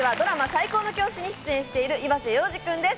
『最高の教師』に出演している岩瀬洋志くんです。